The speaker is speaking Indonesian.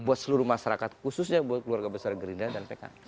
buat seluruh masyarakat khususnya buat keluarga besar gerindra dan pks